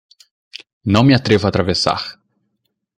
Não me atrevo a atravessar